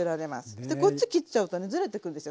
そしてこっち切っちゃうとねずれてくんですよ